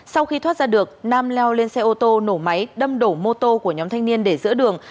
sau khi thoát ra được nam leo lên xe ô tô nổ máy đâm đổ mô tô của nhóm thanh niên để giữa đường